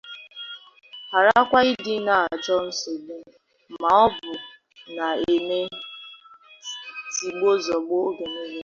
gharakwa ịdị na-achọ nsogbu maọbụ na-eme tigbuo zọgbuo oge niile